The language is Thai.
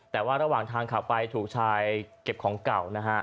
แต่ว่าระหว่างทางขับไปถูกชายเก็บของเก่านะฮะ